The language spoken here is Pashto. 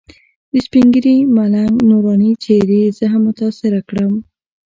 د سپین ږیري ملنګ نوراني څېرې زه هم متاثره کړم.